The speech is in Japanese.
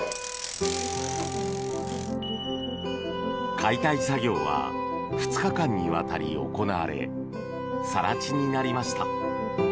解体作業は２日間にわたり行われ更地になりました。